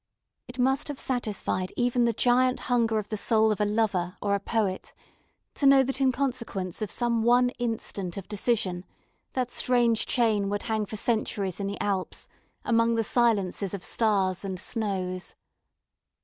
It must have satisfied even the giant hunger of the soul of a lover or a poet to know that in consequence of some one instant of decision that strange chain would hang for centuries in the Alps among the silences of stars and snows.